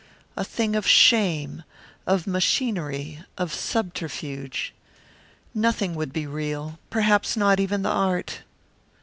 A thing of shame, of machinery, of subterfuge. Nothing would be real, perhaps not even the art.